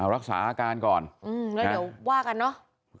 เอารักษาอาการก่อนครับว่ากันเนาะ